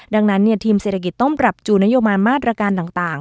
ดังนั้นทีมเศรษฐกิจต้องปรับจูนโยบายมาตรการต่าง